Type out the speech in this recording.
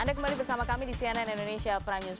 anda kembali bersama kami di cnn indonesia prime news